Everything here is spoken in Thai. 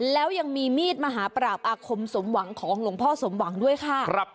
แล้วยังมีมีดมหาปราบอาคมสมหวังของหลวงพ่อสมหวังด้วยค่ะ